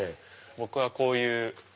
僕はこういう。